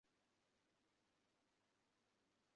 তাকে এর মূল্য চুকাতে হবে।